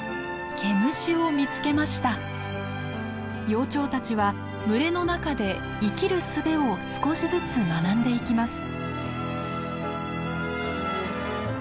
幼鳥たちは群れの中で生きるすべを少しずつ学んでいきます。